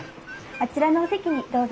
あちらのお席にどうぞ。